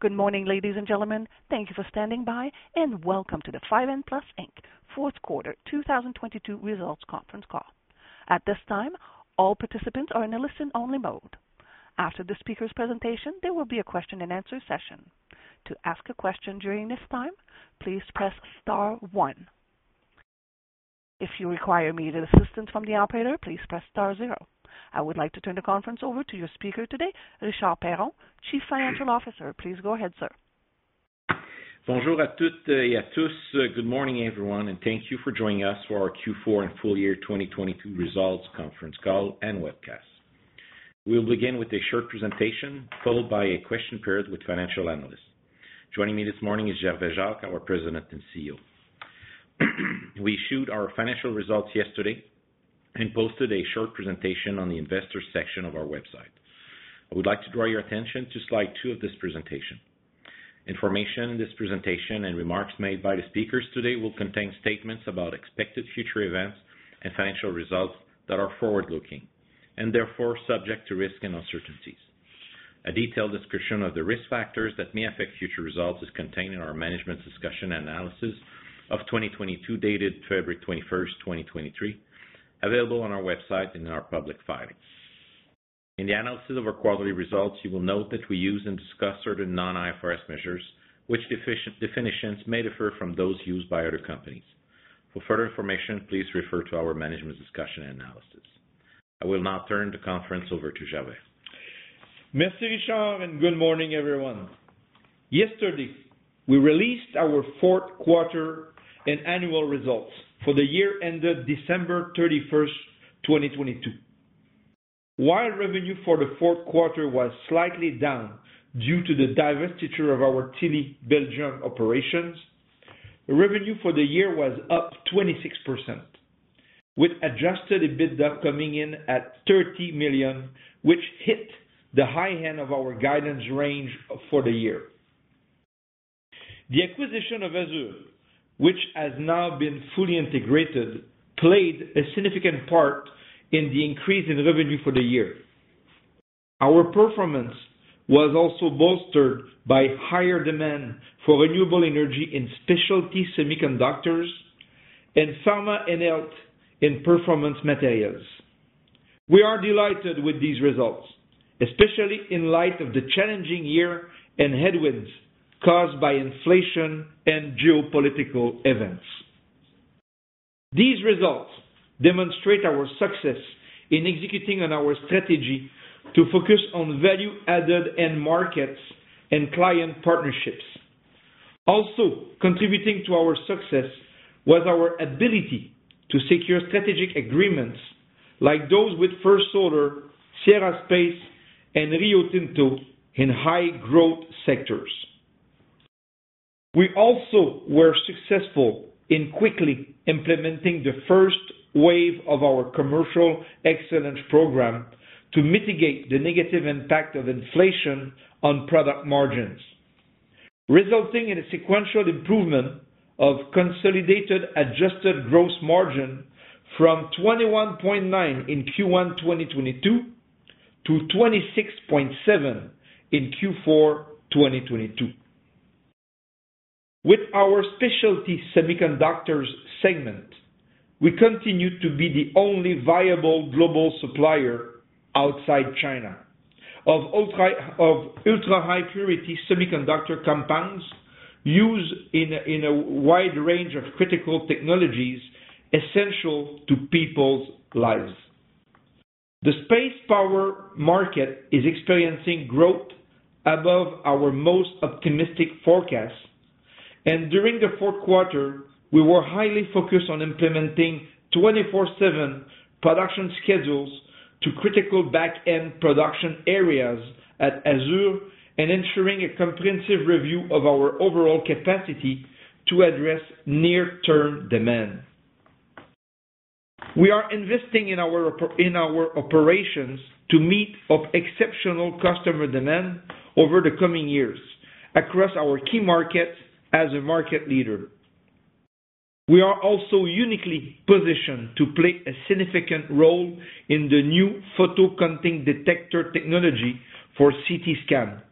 Good morning, ladies and gentlemen. Thank you for standing by. Welcome to the 5N Plus Inc.'s fourth quarter 2022 results conference call. At this time, all participants are in a listen only mode. After the speaker's presentation, there will be a question and answer session. To ask a question during this time, please press star one. If you require immediate assistance from the operator, please press star zero. I would like to turn the conference over to your speaker today, Richard Perron, Chief Financial Officer. Please go ahead, sir. Bonjour à toutes et à tous. Good morning, everyone, and thank you for joining us for our Q4 and full year 2022 results conference call and webcast. We'll begin with a short presentation, followed by a question period with financial analysts. Joining me this morning is Gervais Jacques, our President and CEO. We issued our financial results yesterday and posted a short presentation on the investors section of our website. I would like to draw your attention to slide 2 of this presentation. Information in this presentation and remarks made by the speakers today will contain statements about expected future events and financial results that are forward-looking and therefore subject to risks and uncertainties. A detailed description of the risk factors that may affect future results is contained in our management's discussion and analysis of 2022, dated February 21st, 2023, available on our website in our public filings. In the analysis of our quarterly results, you will note that we use and discuss certain non-IFRS measures, which definitions may differ from those used by other companies. For further information, please refer to our management's discussion and analysis. I will now turn the conference over to Gervais. Merci, Richard. Good morning, everyone. Yesterday, we released our fourth quarter and annual results for the year ended December 31st, 2022. While revenue for the fourth quarter was slightly down due to the divestiture of our Tilly, Belgium operations, revenue for the year was up 26%, with adjusted EBITDA coming in at $30 million, which hit the high end of our guidance range for the year. The acquisition of AZUR, which has now been fully integrated, played a significant part in the increase in revenue for the year. Our performance was also bolstered by higher demand for renewable energy in specialty semiconductors and pharma and health in performance materials. We are delighted with these results, especially in light of the challenging year and headwinds caused by inflation and geopolitical events. These results demonstrate our success in executing on our strategy to focus on value-added end markets and client partnerships. Also contributing to our success was our ability to secure strategic agreements like those with First Solar, Sierra Space, and Rio Tinto in high growth sectors. We also were successful in quickly implementing the first wave of our commercial excellence program to mitigate the negative impact of inflation on product margins, resulting in a sequential improvement of consolidated adjusted gross margin from 21.9% in Q1 2022 to 26.7% in Q4 2022. With our specialty semiconductors segment, we continue to be the only viable global supplier outside China of ultra-high purity semiconductor compounds used in a wide range of critical technologies essential to people's lives. The space power market is experiencing growth above our most optimistic forecasts. During the fourth quarter, we were highly focused on implementing 24/7 production schedules to critical back-end production areas at AZUR and ensuring a comprehensive review of our overall capacity to address near-term demand. We are investing in our operations to meet up exceptional customer demand over the coming years across our key markets as a market leader. We are also uniquely positioned to play a significant role in the new photon-counting detector technology for CT scan,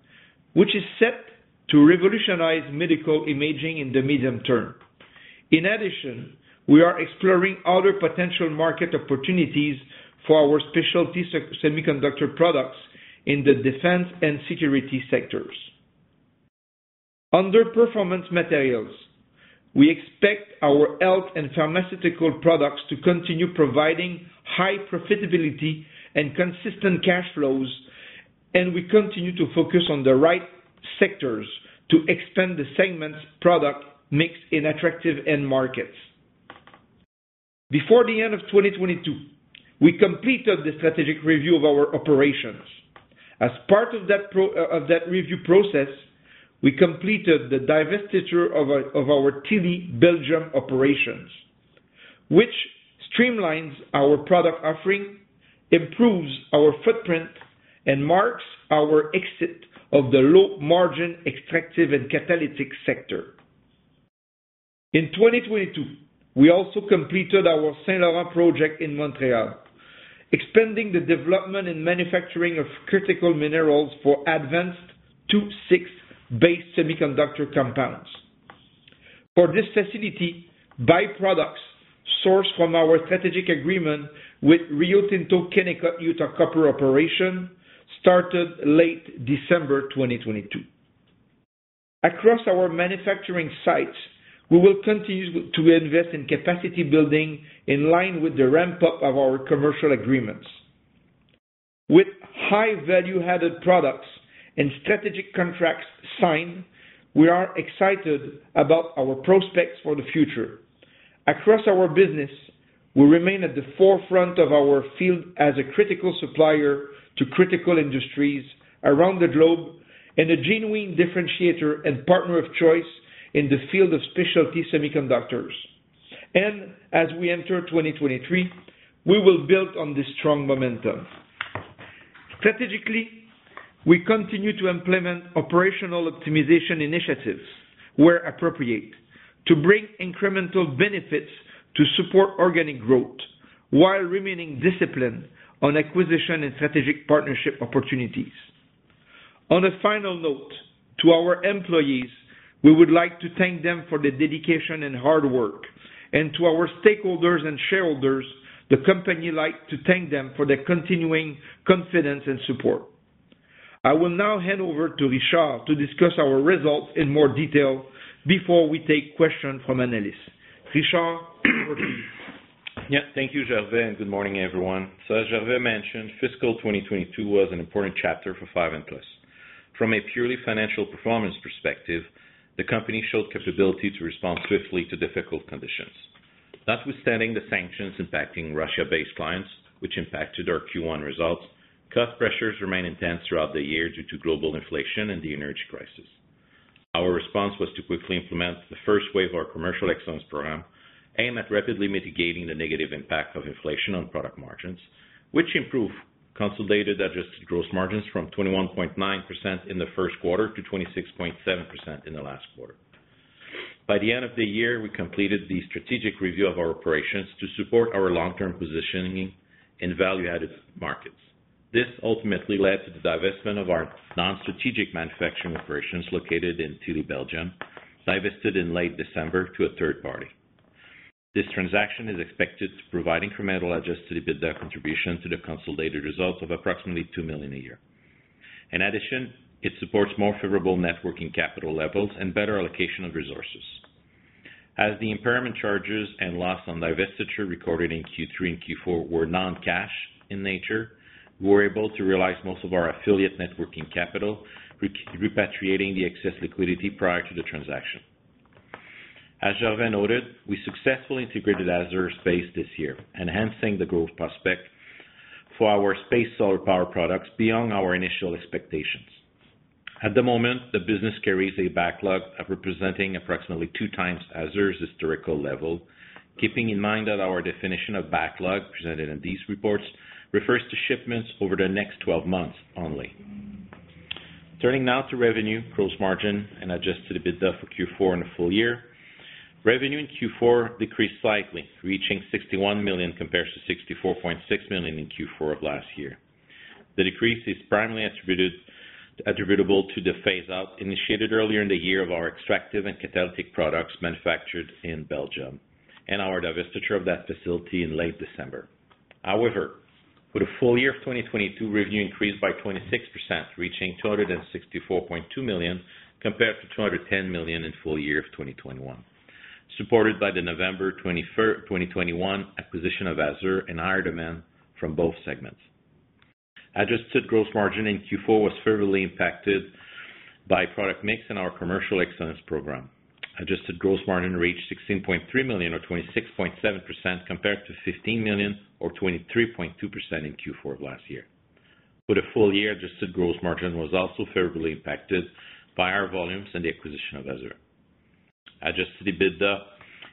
which is set to revolutionize medical imaging in the medium term. In addition, we are exploring other potential market opportunities for our specialty semiconductor products in the defense and security sectors. Under performance materials, we expect our health and pharmaceutical products to continue providing high profitability and consistent cash flows, and we continue to focus on the right sectors to extend the segment's product mix in attractive end markets. Before the end of 2022, we completed the strategic review of our operations. As part of that review process, we completed the divestiture of our Tilly, Belgium operations, which streamlines our product offering, improves our footprint, and marks our exit of the low-margin extractive and catalytic sector. In 2022, we also completed our Saint-Laurent project in Montreal, expanding the development and manufacturing of critical minerals for advanced II-VI-based semiconductor compounds. For this facility, byproducts sourced from our strategic agreement with Rio Tinto Kennecott Utah Copper Operation started late December 2022. Across our manufacturing sites, we will continue to invest in capacity building in line with the ramp-up of our commercial agreements. With high value-added products and strategic contracts signed, we are excited about our prospects for the future. Across our business, we remain at the forefront of our field as a critical supplier to critical industries around the globe and a genuine differentiator and partner of choice in the field of specialty semiconductors. As we enter 2023, we will build on this strong momentum. Strategically, we continue to implement operational optimization initiatives where appropriate to bring incremental benefits to support organic growth while remaining disciplined on acquisition and strategic partnership opportunities. On a final note, to our employees, we would like to thank them for their dedication and hard work. To our stakeholders and shareholders, the company like to thank them for their continuing confidence and support. I will now hand over to Richard to discuss our results in more detail before we take questions from analysts. Richard, over to you. Thank you, Gervais, good morning, everyone. As Gervais mentioned, fiscal 2022 was an important chapter for 5N Plus. From a purely financial performance perspective, the company showed capability to respond swiftly to difficult conditions. Notwithstanding the sanctions impacting Russia-based clients, which impacted our Q1 results, cost pressures remained intense throughout the year due to global inflation and the energy crisis. Our response was to quickly implement the first wave of our commercial excellence program, aimed at rapidly mitigating the negative impact of inflation on product margins, which improved consolidated adjusted gross margins from 21.9% in the first quarter to 26.7% in the last quarter. By the end of the year, we completed the strategic review of our operations to support our long-term positioning in value-added markets. This ultimately led to the divestment of our non-strategic manufacturing operations located in Tilly, Belgium, divested in late December to a third party. This transaction is expected to provide incremental adjusted EBITDA contribution to the consolidated results of approximately $2 million a year. In addition, it supports more favorable net working capital levels and better allocation of resources. As the impairment charges and loss on divestiture recorded in Q3 and Q4 were non-cash in nature, we're able to realize most of our affiliate net working capital, repatriating the excess liquidity prior to the transaction. As Gervais noted, we successfully integrated AZUR SPACE this year, enhancing the growth prospect for our space solar power products beyond our initial expectations. At the moment, the business carries a backlog of representing approximately 2 times AZUR's historical level. Keeping in mind that our definition of backlog presented in these reports refers to shipments over the next 12 months only. Turning now to revenue, gross margin, and adjusted EBITDA for Q4 and the full year. Revenue in Q4 decreased slightly, reaching $61 million compared to $64.6 million in Q4 of last year. The decrease is primarily attributable to the phase out initiated earlier in the year of our extractive and catalytic products manufactured in Belgium and our divestiture of that facility in late December. For the full year of 2022, revenue increased by 26%, reaching $264.2 million compared to $210 million in full year of 2021, supported by the November 2021 acquisition of AZUR and higher demand from both segments. Adjusted gross margin in Q4 was favorably impacted by product mix in our commercial excellence program. Adjusted gross margin reached $16.3 million or 26.7% compared to $15 million or 23.2% in Q4 last year. For the full year, adjusted gross margin was also favorably impacted by our volumes and the acquisition of AZUR. Adjusted EBITDA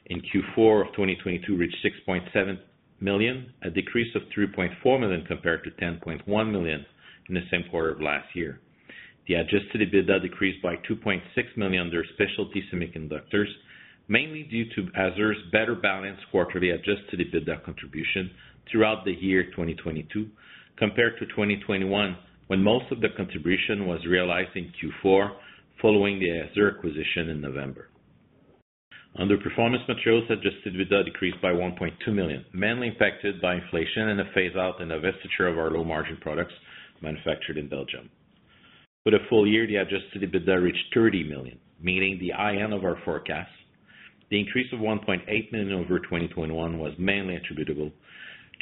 in Q4 of 2022 reached $6.7 million, a decrease of $3.4 million compared to $10.1 million in the same quarter of last year. The adjusted EBITDA decreased by $2.6 million under specialty semiconductors, mainly due to AZUR's better balanced quarterly adjusted EBITDA contribution throughout the year 2022, compared to 2021, when most of the contribution was realized in Q4 following the AZUR acquisition in November. Under performance materials, adjusted EBITDA decreased by $1.2 million, mainly impacted by inflation and a phase out and divestiture of our low-margin products manufactured in Belgium. For the full year, the adjusted EBITDA reached $30 million, meeting the high end of our forecast. The increase of $1.8 million over 2021 was mainly attributable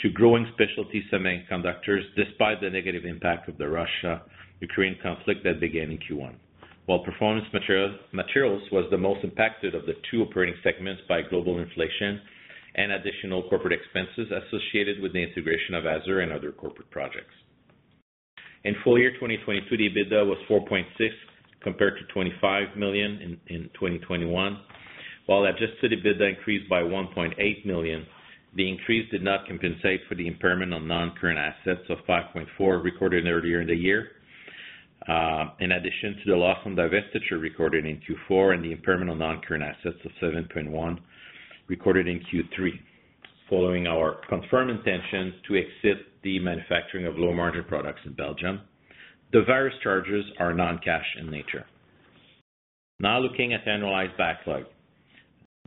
to growing specialty semiconductors despite the negative impact of the Russia-Ukraine conflict that began in Q1. While performance materials was the most impacted of the two operating segments by global inflation and additional corporate expenses associated with the integration of AZUR and other corporate projects. In full year 2022, the EBITDA was $4.6 million compared to $25 million in 2021. While adjusted EBITDA increased by $1.8 million, the increase did not compensate for the impairment on non-current assets of $5.4 recorded earlier in the year. In addition to the loss from divestiture recorded in Q4 and the impairment on non-current assets of $7.1 recorded in Q3, following our confirmed intentions to exit the manufacturing of low margin products in Belgium, the various charges are non-cash in nature. Looking at the annualized backlog.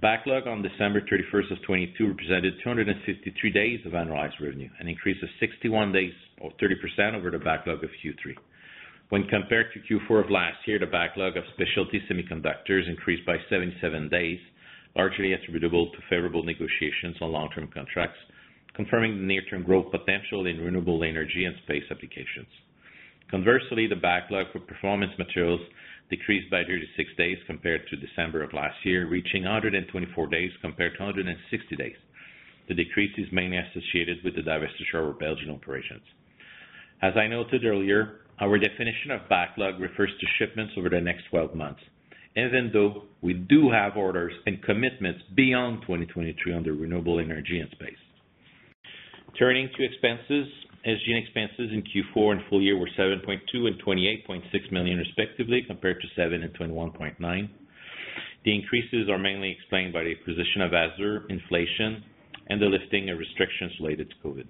Backlog on December thirty-first of 2022 represented 253 days of annualized revenue, an increase of 61 days or 30% over the backlog of Q3. When compared to Q4 of last year, the backlog of specialty semiconductors increased by 77 days, largely attributable to favorable negotiations on long-term contracts, confirming the near-term growth potential in renewable energy and space applications. Conversely, the backlog for performance materials decreased by 36 days compared to December of last year, reaching 124 days compared to 160 days. The decrease is mainly associated with the divestiture of our Belgian operations. As I noted earlier, our definition of backlog refers to shipments over the next 12 months. Even though we do have orders and commitments beyond 2023 on the renewable energy and space. Turning to expenses. SG&A expenses in Q4 and full year were $7.2 million and $28.6 million respectively, compared to $7 million and $21.9 million. The increases are mainly explained by the acquisition of AZUR, inflation, and the lifting of restrictions related to COVID.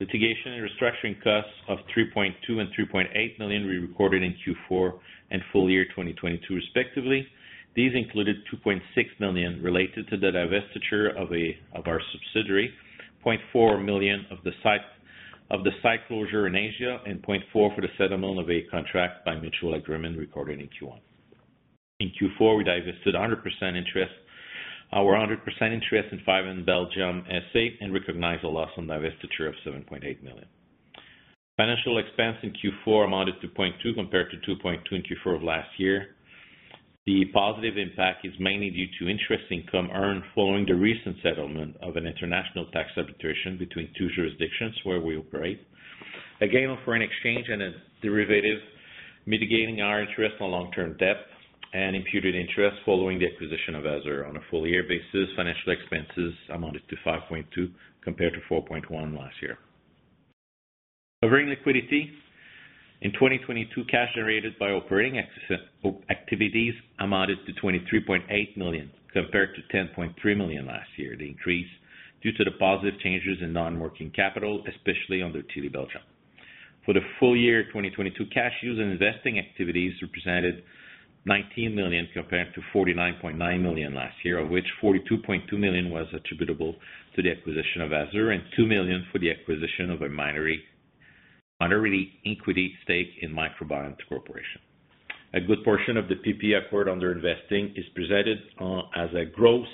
Litigation and restructuring costs of $3.2 million and $3.8 million we recorded in Q4 and full year 2022 respectively. These included $2.6 million related to the divestiture of our subsidiary, $0.4 million of the site closure in Asia, and $0.4 million for the settlement of a contract by mutual agreement recorded in Q1. In Q4, we divested our 100% interest in 5N Plus Belgium SA and recognized a loss on divestiture of $7.8 million. Financial expense in Q4 amounted to $0.2 million compared to $2.2 million in Q4 of last year. The positive impact is mainly due to interest income earned following the recent settlement of an international tax arbitration between two jurisdictions where we operate. A gain on foreign exchange and a derivative mitigating our interest on long-term debt and imputed interest following the acquisition of AZUR. On a full year basis, financial expenses amounted to $5.2 compared to $4.1 last year. Covering liquidity, in 2022, cash generated by operating activities amounted to $23.8 million compared to $10.3 million last year. The increase due to the positive changes in non-working capital, especially under Tilly, Belgium. For the full year 2022, cash used in investing activities represented $19 million compared to $49.9 million last year, of which $42.2 million was attributable to the acquisition of AZUR and $2 million for the acquisition of a minority equity stake in Microbion Corporation. A good portion of the PP&E acquired under investing is presented as a gross,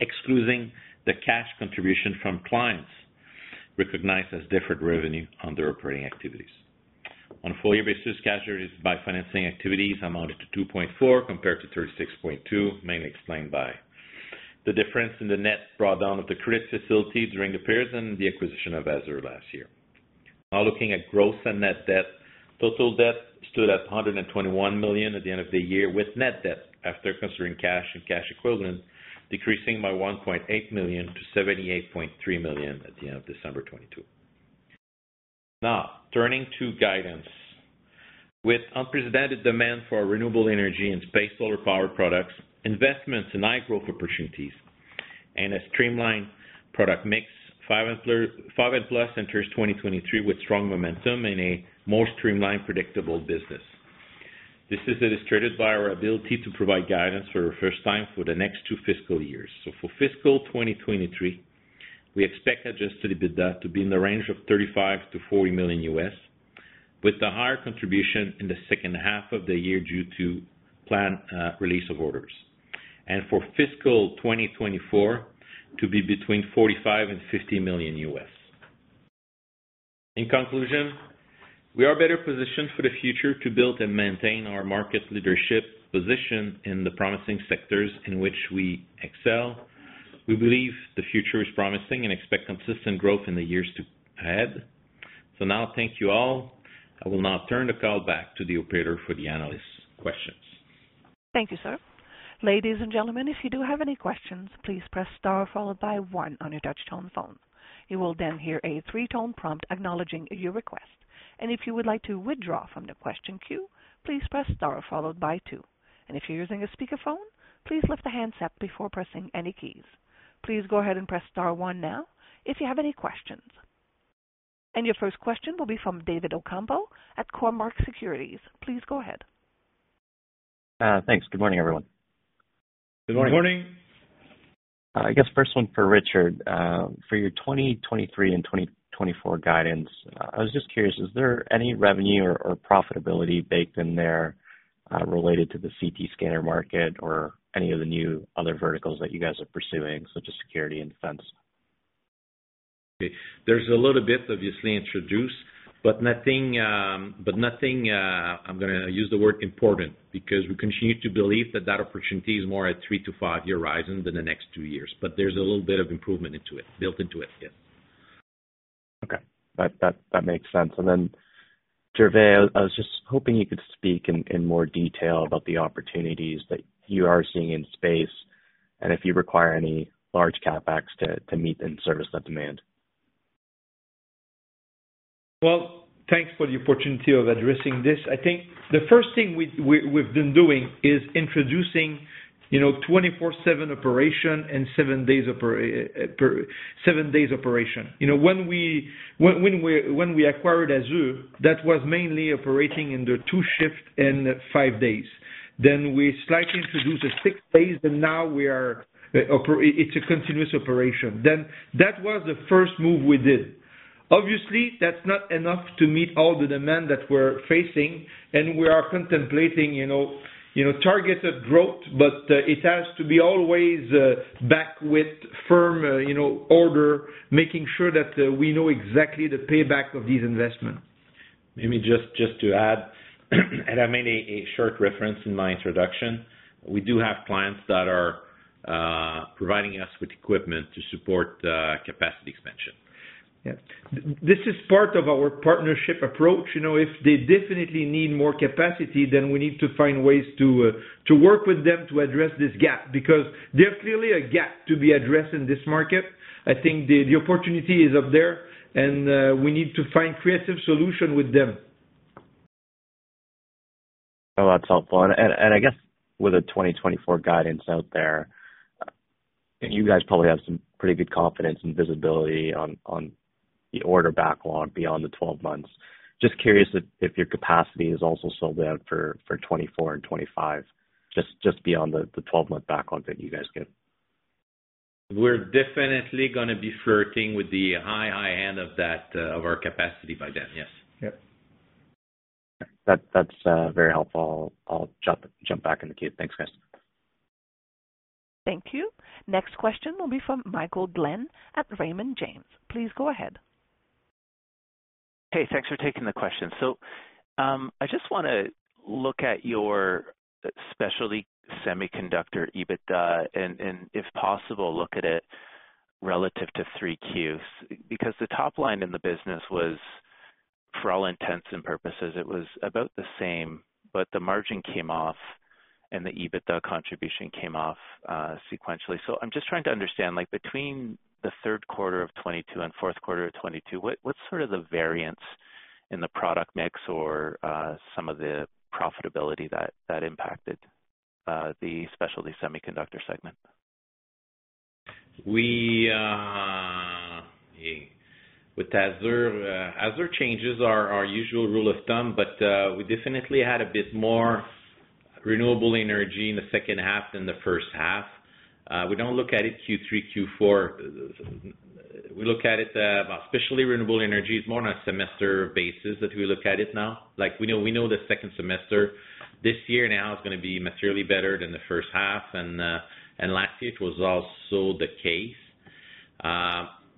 excluding the cash contribution from clients recognized as deferred revenue under operating activities. On a full year basis, cash used by financing activities amounted to $2.4 compared to $36.2, mainly explained by the difference in the net drawdown of the credit facility during the period and the acquisition of AZUR last year. Now looking at gross and net debt. Total debt stood at $121 million at the end of the year, with net debt after considering cash and cash equivalent, decreasing by $1.8 million to $78.3 million at the end of December 2022. Now turning to guidance. With unprecedented demand for renewable energy and space solar power products, investments in high growth opportunities and a streamlined product mix, 5N Plus enters 2023 with strong momentum and a more streamlined, predictable business. This is illustrated by our ability to provide guidance for the first time for the next two fiscal years. For fiscal 2023, we expect adjusted EBITDA to be in the range of $35 million-$40 million, with the higher contribution in the second half of the year due to planned release of orders. For fiscal 2024 to be between $45 million and $50 million. In conclusion, we are better positioned for the future to build and maintain our market leadership position in the promising sectors in which we excel. We believe the future is promising and expect consistent growth in the years to ahead. Thank you all. I will now turn the call back to the operator for the analyst questions. Thank you, sir. Ladies and gentlemen, if you do have any questions, please press star followed by one on your touch-tone phone. You will then hear a three-tone prompt acknowledging your request. If you would like to withdraw from the question queue, please press star followed by two. If you're using a speakerphone, please lift the handset before pressing any keys. Please go ahead and press star one now if you have any questions. Your first question will be from David Ocampo at Cormark Securities. Please go ahead. Thanks. Good morning, everyone. Good morning. I guess first one for Richard Perron. For your 2023 and 2024 guidance, I was just curious, is there any revenue or profitability baked in there related to the CT scanner market or any of the new other verticals that you guys are pursuing, such as security and defense? There's a little bit obviously introduced, but nothing, I'm gonna use the word important because we continue to believe that that opportunity is more a three to five-year horizon than the next two years, but there's a little bit of improvement built into it, yes. Okay. That makes sense. Gervais Jacques, I was just hoping you could speak in more detail about the opportunities that you are seeing in space and if you require any large CapEx to meet and service that demand. Well, thanks for the opportunity of addressing this. I think the first thing we've been doing is introducing, you know, 24/7 operation and seven days operation. You know, when we acquired AZUR, that was mainly operating in the 2 shift and 5 days. We slightly introduced the 6 days, and now it's a continuous operation. That was the first move we did. Obviously, that's not enough to meet all the demand that we're facing, and we are contemplating, you know, you know, targeted growth. It has to be always backed with firm, you know, order, making sure that we know exactly the payback of these investments. Maybe just to add, and I made a short reference in my introduction. We do have clients that are providing us with equipment to support capacity expansion. Yeah. This is part of our partnership approach. You know, if they definitely need more capacity, then we need to find ways to work with them to address this gap, because there's clearly a gap to be addressed in this market. I think the opportunity is up there and, we need to find creative solution with them. Oh, that's helpful. I guess with the 2024 guidance out there, you guys probably have some pretty good confidence and visibility on the order backlog beyond the 12 months. Just curious if your capacity is also sold out for 24 and 25, just beyond the 12-month backlog that you guys give. We're definitely gonna be flirting with the high, high end of that, of our capacity by then, yes. Yep. That's very helpful. I'll jump back in the queue. Thanks, guys. Thank you. Next question will be from Michael Glen at Raymond James. Please go ahead. Hey, thanks for taking the question. I just wanna look at your specialty semiconductor EBITDA and if possible, look at it relative to 3 Qs, because the top line in the business was, for all intents and purposes, it was about the same, but the margin came off and the EBITDA contribution came off sequentially. I'm just trying to understand, like between the third quarter of 2022 and fourth quarter of 2022, what's sort of the variance in the product mix or some of the profitability that impacted the specialty semiconductor segment? We with AZUR changes our usual rule of thumb, but we definitely had a bit more renewable energy in the second half than the first half. We don't look at it Q3, Q4. We look at it, especially renewable energy is more on a semester basis that we look at it now. Like we know, we know the second semester this year now is gonna be materially better than the first half. Last year it was also the case.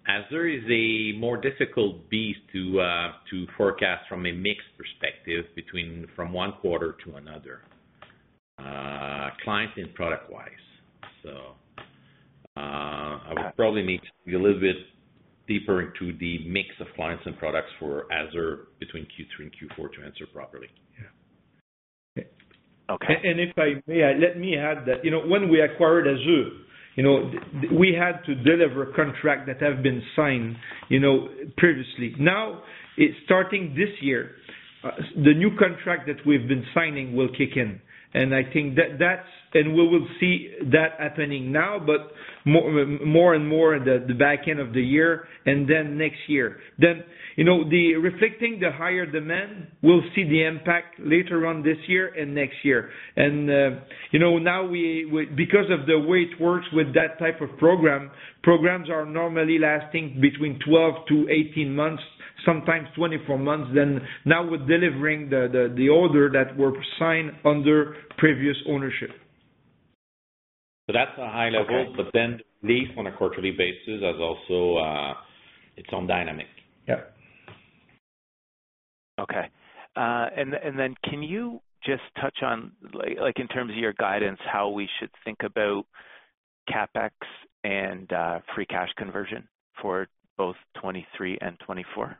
AZUR is a more difficult beast to forecast from a mix perspective from one quarter to another, client and product-wise. I would probably need to be a little bit deeper into the mix of clients and products for AZUR between Q3 and Q4 to answer properly. Yeah. Okay. If I may, let me add that. You know, when we acquired AZUR, you know, we had to deliver a contract that had been signed, you know, previously. It's starting this year, the new contract that we've been signing will kick in, and I think that's and we will see that happening now, but more and more in the back end of the year and then next year. You know, the reflecting the higher demand, we'll see the impact later on this year and next year. You know, now we because of the way it works with that type of program, programs are normally lasting between 12-18 months, sometimes 24 months. Now we're delivering the order that were signed under previous ownership. That's a high level. Okay. These on a quarterly basis has also, its own dynamic. Yeah. Okay. Then can you just touch on, like, in terms of your guidance, how we should think about CapEx and free cash conversion for both 2023 and 2024?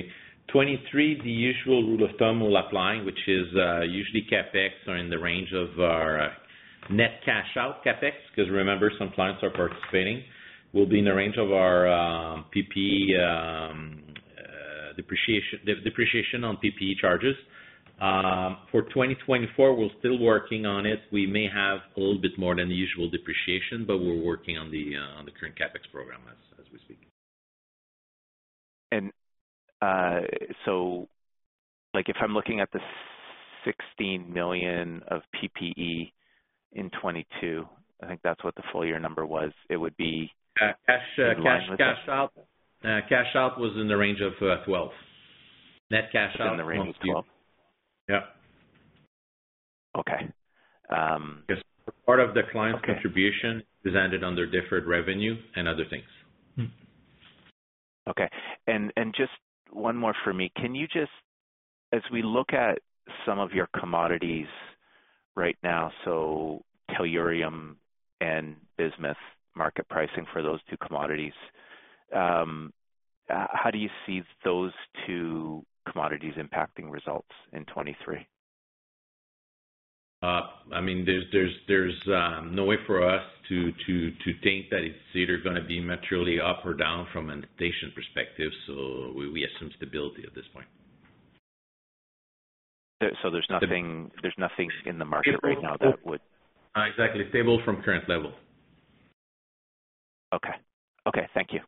Okay. 23, the usual rule of thumb will apply, which is, usually CapEx are in the range of our net cash out CapEx, 'cause remember, some clients are participating, will be in the range of our, PPE, depreciation on PPE charges. For 2024, we're still working on it. We may have a little bit more than the usual depreciation, but we're working on the, on the current CapEx program as we speak. Like, if I'm looking at the $16 million of PP&E in 2022, I think that's what the full year number was, it would be- cash out. In line with it? Cash out was in the range of $12. Within the range of 12? Yeah. Okay. 'Cause part of the client's contribution. Okay. has ended under deferred revenue and other things. Okay. Just one more for me. Can you just as we look at some of your commodities right now, so tellurium and bismuth market pricing for those two commodities, how do you see those two commodities impacting results in 23? I mean, there's no way for us to think that it's either gonna be materially up or down from a notation perspective. We have some stability at this point. There's nothing in the market right now. Exactly. Stable from current levels. Okay. Okay, thank you.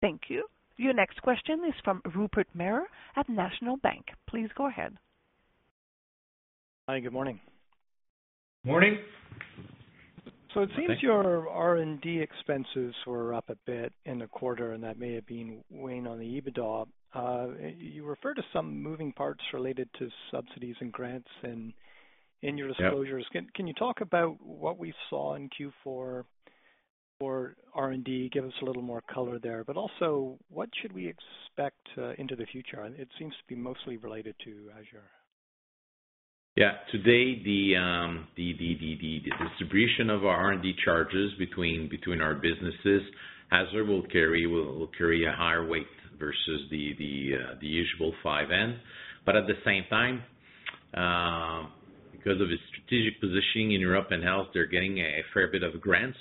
Thank you. Your next question is from Rupert Merer at National Bank. Please go ahead. Hi, good morning. Morning. It seems your R&D expenses were up a bit in the quarter, and that may have been weighing on the EBITDA. You referred to some moving parts related to subsidies and grants in your disclosures. Can you talk about what we saw in Q4 for R&D? Give us a little more color there, but also what should we expect into the future? It seems to be mostly related to AZUR. Yeah. Today, the distribution of our R&D charges between our businesses, AZUR will carry a higher weight versus the usual 5N Plus. At the same time, because of its strategic positioning in Europe and health, they're getting a fair bit of grants,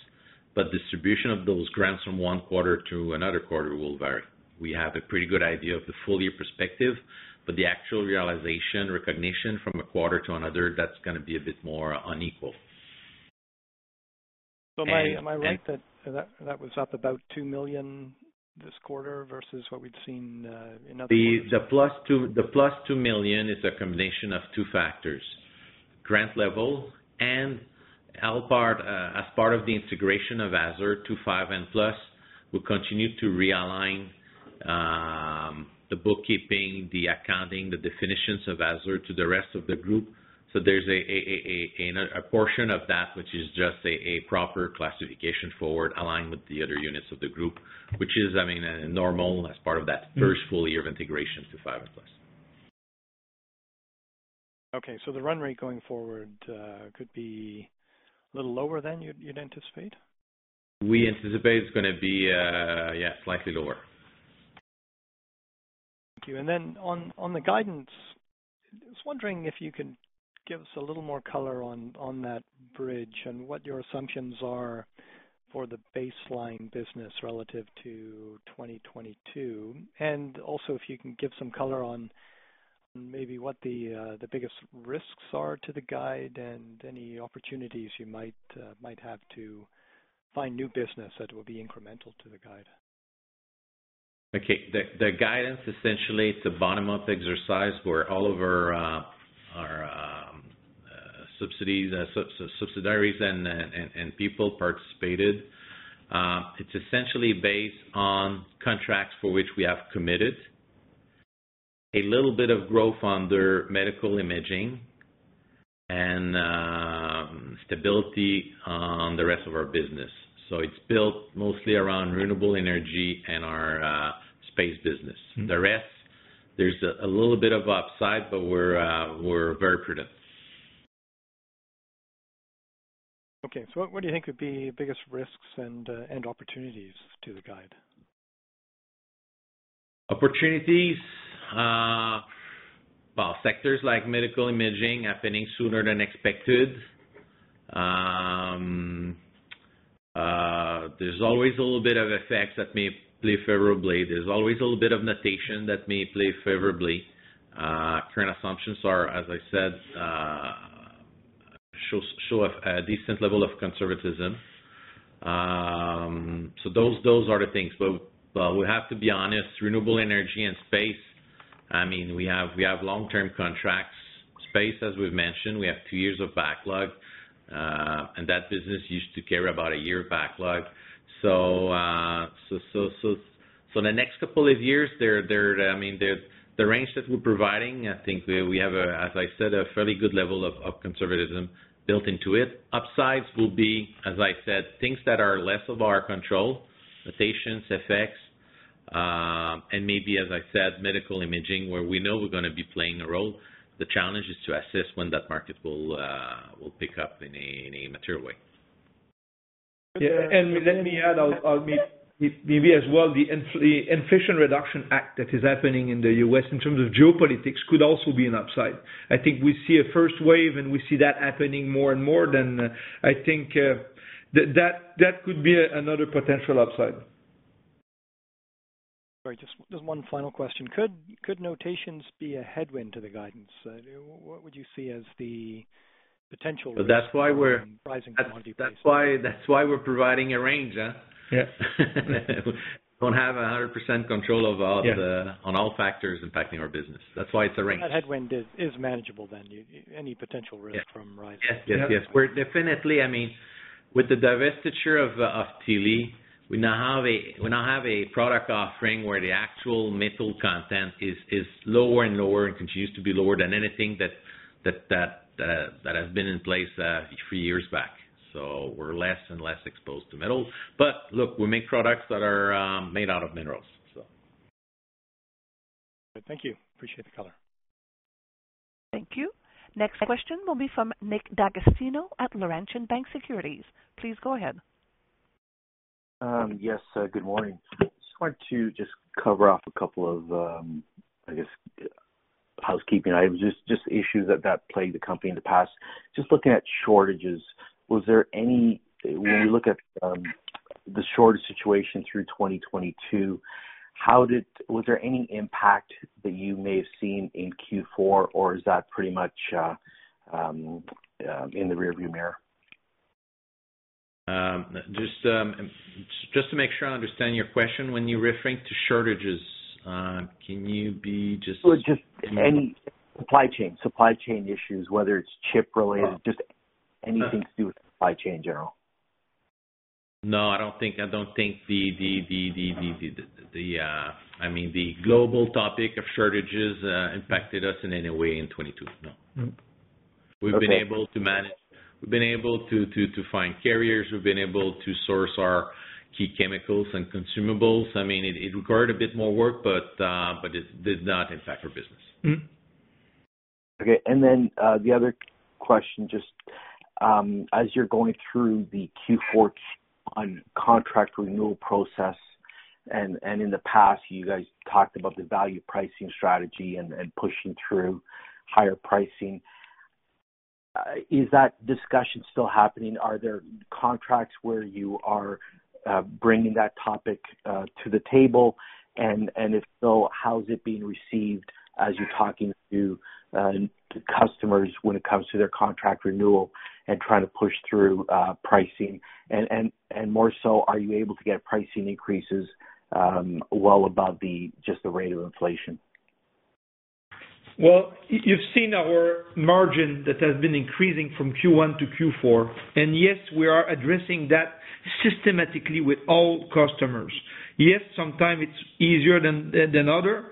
but distribution of those grants from one quarter to another quarter will vary. We have a pretty good idea of the full year perspective, but the actual realization, recognition from a quarter to another, that's gonna be a bit more unequal. Am I right that was up about $2 million this quarter versus what we'd seen in other quarters? The $2 million is a combination of two factors, grant level and allocations. As part of the integration of AZUR to 5N Plus, we continue to realign the bookkeeping, the accounting, the definitions of AZUR to the rest of the group. There's a portion of that which is just a proper classification forward, aligned with the other units of the group, which is, I mean, normal as part of that first full year of integration to 5N Plus. Okay. The run rate going forward could be a little lower than you'd anticipate? We anticipate it's gonna be, yeah, slightly lower. Thank you. Then on the guidance, I was wondering if you could give us a little more color on that bridge and what your assumptions are for the baseline business relative to 2022, also if you can give some color on maybe what the biggest risks are to the guide and any opportunities you might have to find new business that will be incremental to the guide? The guidance, essentially, it's a bottom-up exercise where all of our subsidies, subsidiaries and people participated. It's essentially based on contracts for which we have committed. A little bit of growth under medical imaging and stability on the rest of our business. It's built mostly around renewable energy and our space business. The rest, there's a little bit of upside, but we're very prudent. What do you think would be biggest risks and opportunities to the guide? Opportunities, well, sectors like medical imaging happening sooner than expected. There's always a little bit of effects that may play favorably. There's always a little bit of notation that may play favorably. Current assumptions are, as I said, show a decent level of conservatism. Those are the things. We have to be honest, renewable energy and space, I mean, we have long-term contracts. Space, as we've mentioned, we have 2 years of backlog, and that business used to carry about a year backlog. The next couple of years there, I mean, the range that we're providing, I think we have, as I said, a fairly good level of conservatism built into it. Upsides will be, as I said, things that are less of our control, notations, effects, maybe, as I said, medical imaging, where we know we're gonna be playing a role. The challenge is to assess when that market will pick up in a material way. Yeah. Let me add, I'll maybe as well, the Inflation Reduction Act that is happening in the U.S. in terms of geopolitics could also be an upside. I think we see a first wave, and we see that happening more and more, I think that could be another potential upside. Sorry, just one final question. Could notations be a headwind to the guidance? What would you see as the potential? That's why. rising commodity prices. That's why we're providing a range, huh? Yes. Don't have 100% control of all the. Yeah. On all factors impacting our business. That's why it's a range. That headwind is manageable then. Any potential risk from rise? Yes. Yes. We're definitely, I mean, with the divestiture of Tilly, we now have a product offering where the actual metal content is lower and lower and continues to be lower than anything that has been in place a few years back. We're less and less exposed to metal. Look, we make products that are made out of minerals, so. Thank you. Appreciate the color. Thank you. Next question will be from Nick Agostino at Laurentian Bank Securities. Please go ahead. Yes. Good morning. Just wanted to just cover off a couple of, I guess, housekeeping items, just issues that plagued the company in the past. Just looking at shortages. When you look at the shortage situation through 2022, was there any impact that you may have seen in Q4, or is that pretty much in the rear view mirror? Just to make sure I understand your question, when you're referring to shortages, can you be just-? Well, just any supply chain, supply chain issues, whether it's chip related, just anything to do with supply chain in general. No, I don't think the, I mean, the global topic of shortages impacted us in any way in 2022. No. Okay. We've been able to manage. We've been able to find carriers. We've been able to source our key chemicals and consumables. I mean, it required a bit more work, but it did not impact our business. Okay. The other question, just as you're going through the Q4 contract renewal process, and in the past you guys talked about the value pricing strategy and pushing through higher pricing, is that discussion still happening? Are there contracts where you are bringing that topic to the table? And if so, how is it being received as you're talking to customers when it comes to their contract renewal and trying to push through pricing? And more so, are you able to get pricing increases well above the just the rate of inflation? Well, you've seen our margin that has been increasing from Q1 to Q4. Yes, we are addressing that systematically with all customers. Yes, sometimes it's easier than other.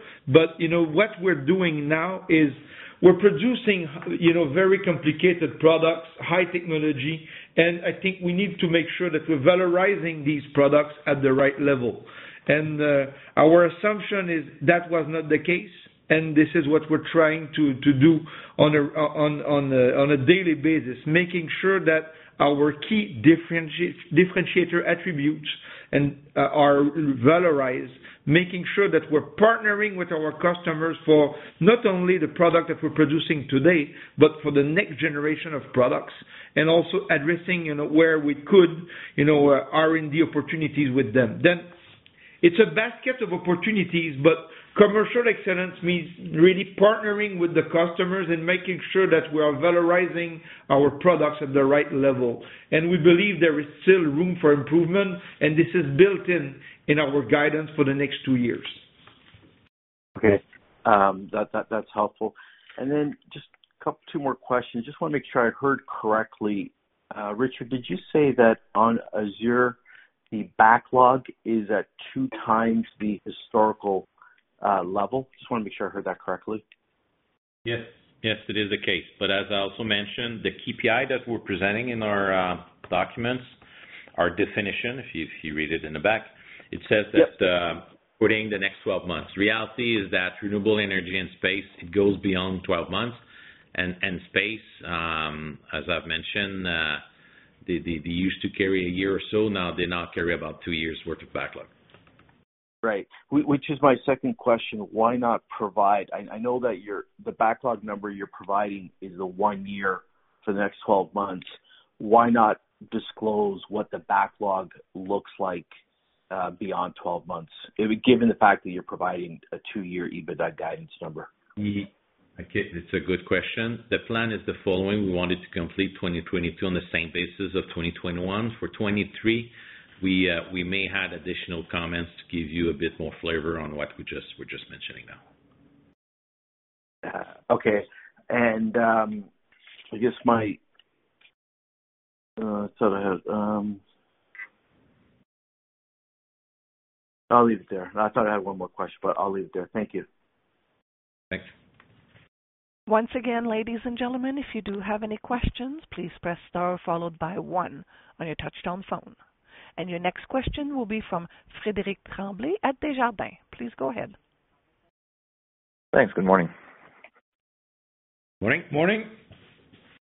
You know, what we're doing now is we're producing, you know, very complicated products, high technology. I think we need to make sure that we're valorizing these products at the right level. Our assumption is that was not the case, and this is what we're trying to do on a daily basis, making sure that our key differentiator attributes are valorized, making sure that we're partnering with our customers for not only the product that we're producing today, but for the next generation of products, also addressing, you know, where we could, you know, R&D opportunities with them. It's a basket of opportunities, but commercial excellence means really partnering with the customers and making sure that we are valorizing our products at the right level. We believe there is still room for improvement, and this is built in our guidance for the next two years. Okay. That's helpful. Just couple 2 more questions. Just wanna make sure I heard correctly. Richard, did you say that on AZUR, the backlog is at 2 times the historical level? Just wanna make sure I heard that correctly. Yes. Yes, it is the case. As I also mentioned, the KPI that we're presenting in our documents, our definition, if you read it in the back, it says that putting the next 12 months. Reality is that renewable energy and space, it goes beyond 12 months. Space, as I've mentioned, they used to carry 1 year or so, now they now carry about 2 years worth of backlog. Right. Which is my second question, why not provide... I know that the backlog number you're providing is a one-year for the next 12 months. Why not disclose what the backlog looks like beyond 12 months? Given the fact that you're providing a two-year EBITDA guidance number. Okay, that's a good question. The plan is the following: We wanted to complete 2022 on the same basis of 2021. For 2023, we may add additional comments to give you a bit more flavor on what we're just mentioning now. Yeah. Okay. Let's see what I have. I'll leave it there. I thought I had one more question, but I'll leave it there. Thank you. Thanks. Once again, ladies and gentlemen, if you do have any questions, please press Star followed by one on your touchtone phone. Your next question will be from Frederic Tremblay at Desjardins. Please go ahead. Thanks. Good morning. Morning. Morning.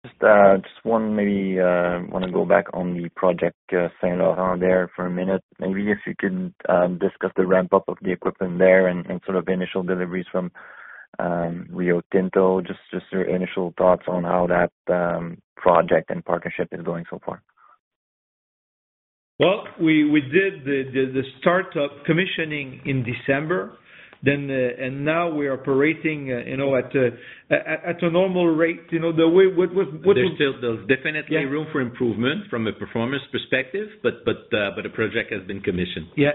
Just one maybe wanna go back on the project Saint-Laurent there for a minute. Maybe if you can discuss the ramp-up of the equipment there and sort of initial deliveries from Rio Tinto, just your initial thoughts on how that project and partnership is going so far? Well, we did the start-up commissioning in December, then now we are operating, you know, at a normal rate. You know. There's definitely. Yeah room for improvement from a performance perspective, but the project has been commissioned. Yeah.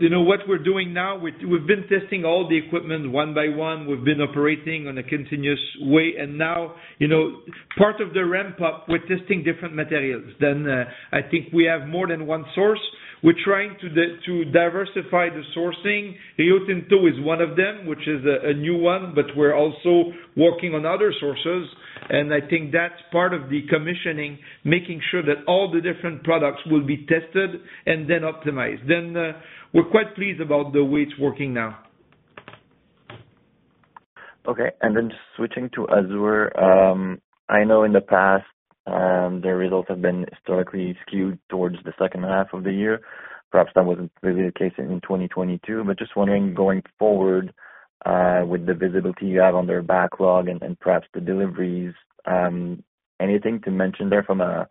You know what we're doing now? We, we've been testing all the equipment one by one. We've been operating on a continuous way. Now, you know, part of the ramp-up, we're testing different materials. I think we have more than one source. We're trying to diversify the sourcing. Rio Tinto is one of them, which is a new one, but we're also working on other sources, and I think that's part of the commissioning, making sure that all the different products will be tested and then optimized. We're quite pleased about the way it's working now. Okay. Then switching to AZUR. I know in the past, their results have been historically skewed towards the second half of the year. Perhaps that wasn't really the case in 2022, but just wondering, going forward, with the visibility you have on their backlog and perhaps the deliveries, anything to mention there from a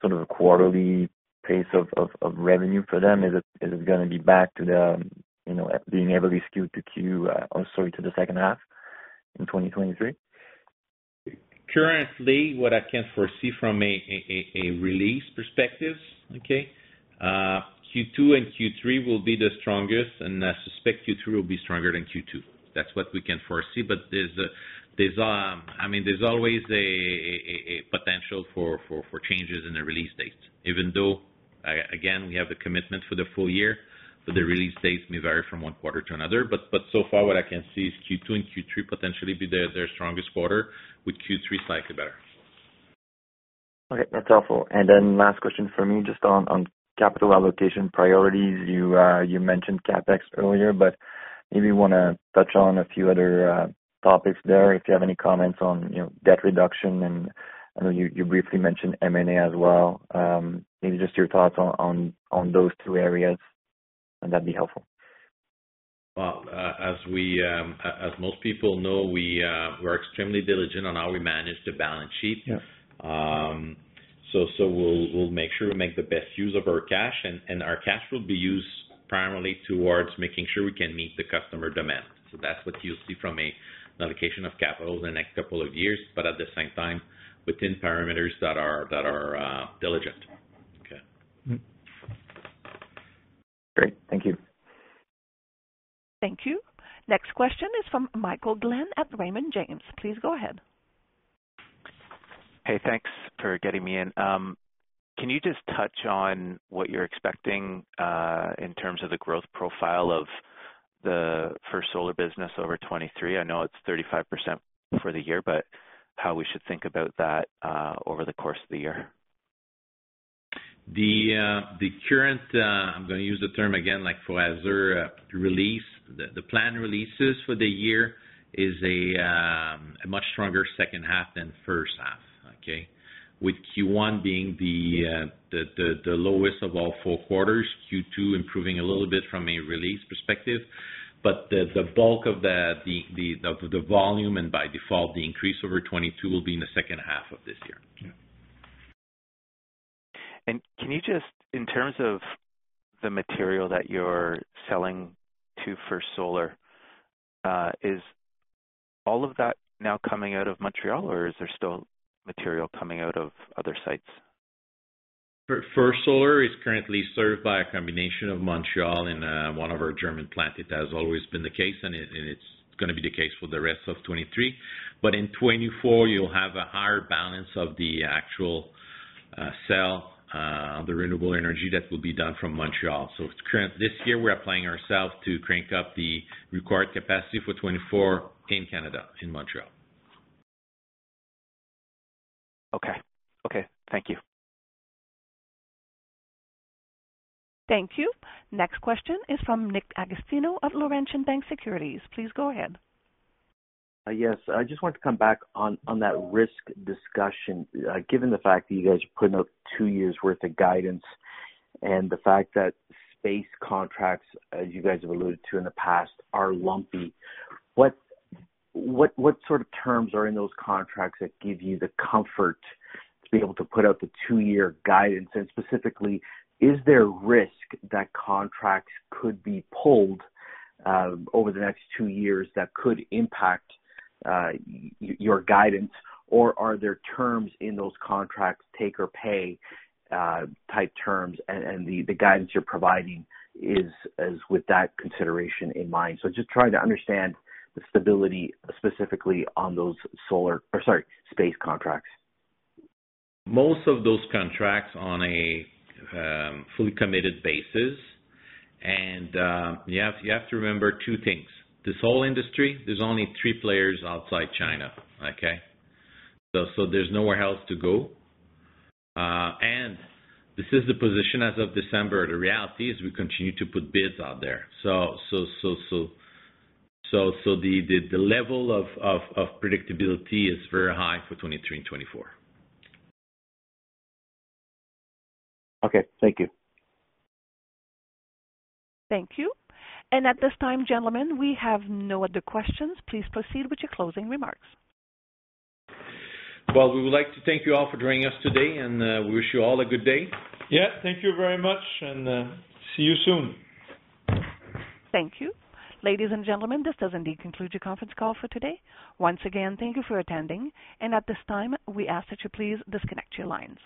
sort of a quarterly pace of revenue for them? Is it gonna be back to the, you know, being heavily skewed to the second half in 2023? Currently, what I can foresee from a release perspective, okay, Q2 and Q3 will be the strongest, and I suspect Q3 will be stronger than Q2. That's what we can foresee. I mean, there's always a potential for changes in the release dates. Even though, again, we have a commitment for the full year, the release dates may vary from one quarter to another. So far what I can see is Q2 and Q3 potentially be their strongest quarter, with Q3 slightly better. Okay, that's helpful. Last question for me, just on capital allocation priorities. You mentioned CapEx earlier, but maybe you wanna touch on a few other topics there, if you have any comments on, you know, debt reduction. I know you briefly mentioned M&A as well. Maybe just your thoughts on those two areas, and that'd be helpful. Well, as we, as most people know, we're extremely diligent on how we manage the balance sheet. Yeah. We'll make sure we make the best use of our cash, and our cash will be used primarily towards making sure we can meet the customer demand. That's what you'll see from a allocation of capital the next couple of years, but at the same time, within parameters that are diligent. Great. Thank you. Thank you. Next question is from Michael Glen at Raymond James. Please go ahead. Hey, thanks for getting me in. Can you just touch on what you're expecting, in terms of the growth profile of the First Solar business over 2023? I know it's 35% for the year, but how we should think about that, over the course of the year. The current, I'm gonna use the term again, like for AZUR release. The planned releases for the year is a much stronger second half than first half, okay? With Q1 being the lowest of all four quarters, Q2 improving a little bit from a release perspective. The bulk of the volume, and by default, the increase over 2022 will be in the second half of this year. Can you just, in terms of the material that you're selling to First Solar, is all of that now coming out of Montreal, or is there still material coming out of other sites? First Solar is currently served by a combination of Montreal and one of our German plant. It has always been the case, and it's gonna be the case for the rest of 2023. In 2024, you'll have a higher balance of the actual cell, the renewable energy that will be done from Montreal. Currently, this year, we are applying ourselves to crank up the required capacity for 2024 in Canada, in Montreal. Okay. Okay, thank you. Thank you. Next question is from Nick Agostino of Laurentian Bank Securities. Please go ahead. Yes. I just wanted to come back on that risk discussion. Given the fact that you guys are putting out 2 years' worth of guidance and the fact that space contracts, as you guys have alluded to in the past, are lumpy, what sort of terms are in those contracts that give you the comfort to be able to put out the 2-year guidanceSpecifically, is there risk that contracts could be pulled over the next 2 years that could impact your guidance, or are there terms in those contracts, take or pay type terms, and the guidance you're providing is with that consideration in mind? Just trying to understand the stability, specifically on those solar-- or sorry, space contracts. Most of those contracts are on a fully committed basis. You have to remember two things. The solar industry, there's only three players outside China. There's nowhere else to go. This is the position as of December. The reality is we continue to put bids out there. The level of predictability is very high for 2023 and 2024. Okay, thank you. Thank you. At this time, gentlemen, we have no other questions. Please proceed with your closing remarks. Well, we would like to thank you all for joining us today, and wish you all a good day. Yeah, thank you very much, and, see you soon. Thank you. Ladies and gentlemen, this does indeed conclude your conference call for today. Once again, thank you for attending. At this time, we ask that you please disconnect your lines.